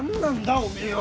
おめえは。